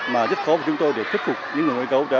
mà rất khó của chúng tôi để thuyết phục những người nuôi cấu đó